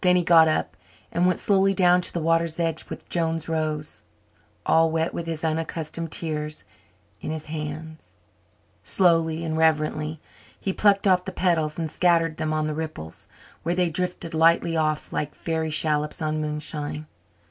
Then he got up and went slowly down to the water's edge with Joan's rose, all wet with his unaccustomed tears, in his hands. Slowly and reverently he plucked off the petals and scattered them on the ripples, where they drifted lightly off like fairy shallops on moonshine.